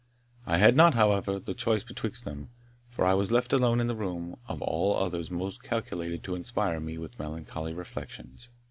I had not, however, the choice betwixt them; for I was left alone in the room of all others most calculated to inspire me with melancholy reflections.